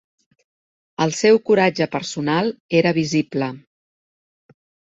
El seu coratge personal era visible.